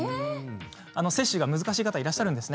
接種が難しい方がいらっしゃるんです。